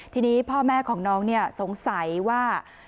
ทีนี้พ่อแม่ของน้องสงสัยว่า